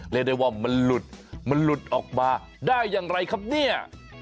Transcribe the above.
เรียกได้ว่ามันหลุดมันหลุดออกมาได้อย่างไรครับเนี่ย